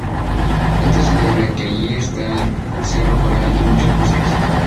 Esto se debe ya que allí está el Cerro Caracol y muchos bosques.